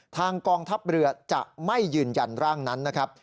ทางกองทัพเรือจะไม่ยืนยันร่างนั้นนะครับ